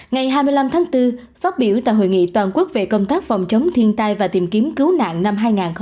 ngày hai mươi năm tháng bốn phát biểu tại hội nghị toàn quốc về công tác phòng chống thiên tai và tìm kiếm cứu nạn năm hai nghìn hai mươi bốn